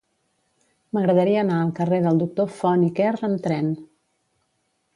M'agradaria anar al carrer del Doctor Font i Quer amb tren.